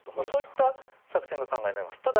そういった作戦が考えられます。